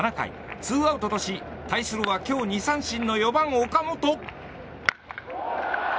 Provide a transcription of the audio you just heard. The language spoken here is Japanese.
ツーアウトとし対するは今日２三振の４番、岡本。